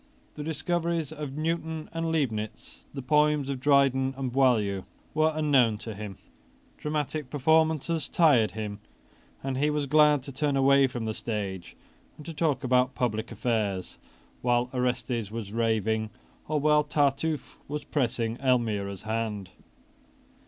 The discoveries of Newton and Leibnitz, the poems of Dryden and Boileau, were unknown to him. Dramatic performances tired him; and he was glad to turn away from the stage and to talk about public affairs, while Orestes was raving, or while Tartuffe was pressing Elmira's hand.